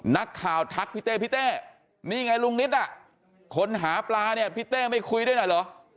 นักข่าวทักพี่เต้พี่เต้นี่ไงลุงนิดอ่ะคนหาปลาเนี่ยพี่เต้ไม่คุยด้วยหน่อยเหรอ